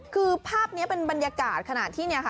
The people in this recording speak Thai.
คือภาพนี้เป็นบรรยากาศขณะที่เนี่ยค่ะ